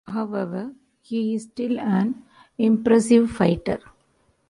However, he is still an impressive fighter.